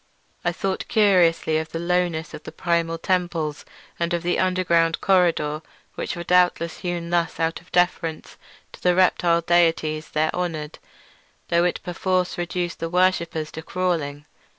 I thought curiously of the lowness of the primal temples and of the underground corridor, which were doubtless hewn thus out of deference to the reptile deities there honoured; though it perforce reduced the worshippers to crawling.